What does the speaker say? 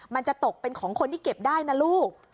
มันจะตกเป็นของคนที่เก็บได้นะลูก